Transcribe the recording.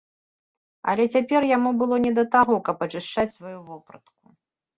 Але цяпер яму было не да таго, каб ачышчаць сваю вопратку.